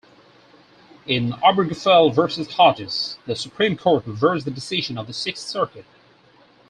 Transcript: In "Obergefell versus Hodges" the Supreme Court reversed the decision of the Sixth Circuit.